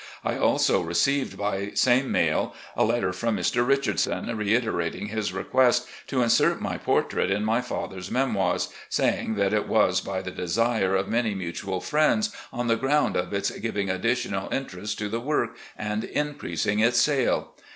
I also received by same mail a letter from Mr. Richardson, reiterating his request to insert my portrait in my father's Memoirs, saying that it was by the desire ' of many mutual friends ' on the groimd of its ' giving additional interest to the work, and increasing its sale.